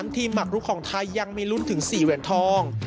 ทีมหมักลุกของไทยยังมีลุ้นถึง๔เหรียญทอง